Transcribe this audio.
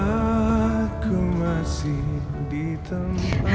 aku masih ditempat